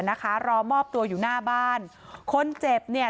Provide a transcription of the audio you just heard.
นะคะรอมอบตัวอยู่หน้าบ้านคนเจ็บเนี่ย